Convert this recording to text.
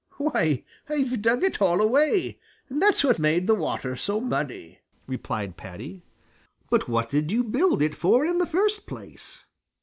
"Why, I've dug it all away. That's what made the water so muddy," replied Paddy. "But what did you build it for in the first place?"